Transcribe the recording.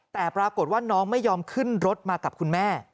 แต่ปรากฏว่าน้องไม่ยอมขึ้นรถมากับคุณแม่